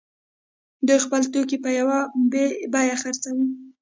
دوی خپل توکي په یوه بیه خرڅول.